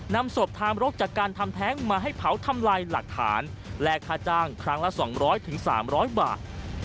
นำศพทามรกจากการทำแท้งมาให้เผาทำลายหลักฐานแลกค่าจ้างครั้งละ๒๐๐๓๐๐บาท